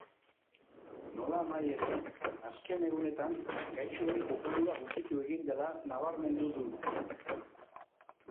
Nolanahi ere, azken egunetan gaixoen kopurua gutxitu egin dela nabarmendu du.